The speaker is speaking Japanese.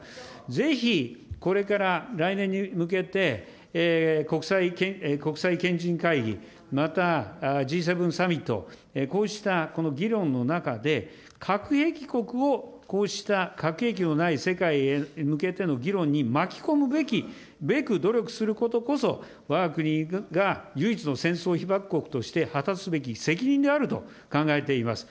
ぜひ、これから来年に向けて、国際賢人会議、またＧ７サミット、こうした議論の中で、核兵器国をこうした核兵器のない世界へ向けての議論に巻き込むべく努力することこそ、わが国が唯一の戦争被爆国として果たすべき責任であると考えています。